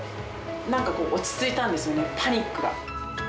なんかこう、落ち着いたんですよね、パニックが。